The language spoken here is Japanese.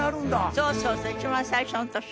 「そうそうそう一番最初の年はね」